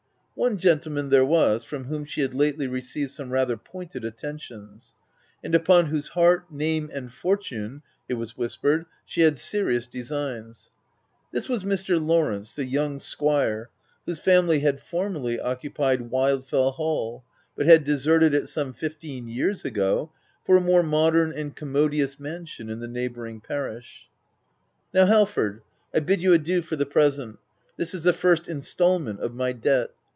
One gentleman there was, from whom she had lately received some rather pointed attentions, and upon whose heart, name, and fortune, it was whispered, she had serious designs. This was Mr. Law r rence, the young squire whose family had formerly occupied Wildfell Hall, but had deserted it, some fifteen years ago, for a more modern and commodious mansion in the neighbouring parish. Now Halford, I bid you adieu for the present. This is the first instalment of my debt.